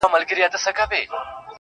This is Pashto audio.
شراب لس خُمه راکړه، غم په سېلاب راکه.